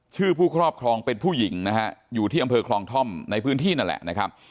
ผู้ครอบครองเป็นผู้หญิงนะฮะอยู่ที่อำเภอคลองท่อมในพื้นที่นั่นแหละนะครับ